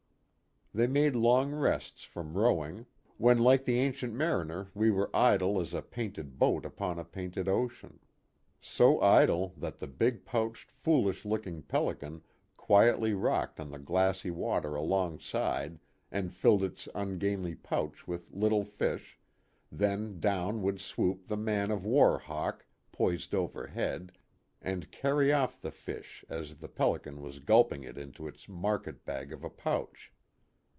They made long rests from rowing; when like the Ancient Mariner we were idle as a painted boat upon a painted ocean. So idle that the big pouched foolish looking pelican quietly rocked on the glassy water alongside and filled its ungainly pouch with little fish then down would swoop the " man of war " hawk poised overhead, and carry off the fish as the pelican was gulping it into its market bag of a pouch.